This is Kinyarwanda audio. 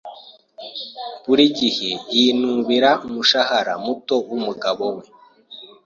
Buri gihe yinubira umushahara muto wumugabo we.